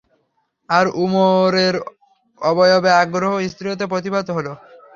আর উমাইরের অবয়বে আগ্রহ-ও স্থীরতা প্রতিভাত হল।